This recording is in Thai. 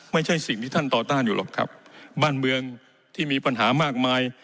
ไม่ใช่สิ่งที่ท่านต่อต้านอยู่หรอกครับบ้านเมืองที่มีปัญหามากมาย